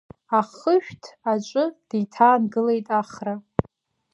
Ахышәҭ аҿы деиҭаангылеит Ахра.